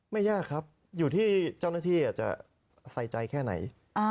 ไม่ยากครับอยู่ที่เจ้าหน้าที่จะใส่ใจแค่ไหน